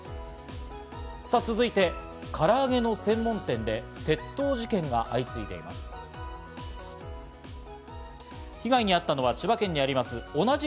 続いて、からあげの専門店で窃盗事件が相次いでいます。